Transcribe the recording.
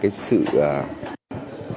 cái sự đối diện của bộ trưởng